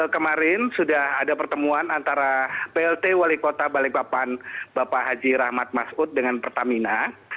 kemarin sudah ada pertemuan antara plt wali kota balikpapan bapak haji rahmat masud dengan pertamina